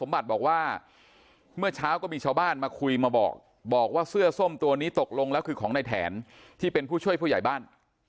บอกว่าเสื้อส้มตัวนี้ตกลงแล้วคือของในแถนที่เป็นผู้ช่วยผู้ใหญ่บ้าน